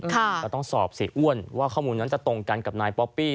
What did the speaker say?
แต่ต้องสอบเสียอ้วนว่าข้อมูลนั้นจะตรงกันกับนายป๊อปปี้